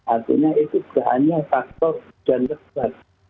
artinya itu tidak hanya faktor hujan lebat